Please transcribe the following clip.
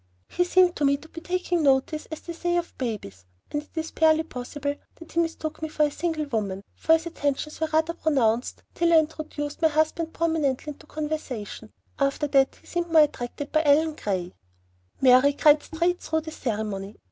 He seemed to me to be "taking notice," as they say of babies, and it is barely possible that he mistook me for a single woman, for his attentions were rather pronounced till I introduced my husband prominently into conversation; after that he seemed more attracted by Ellen Gray. Mary cried straight through the ceremony.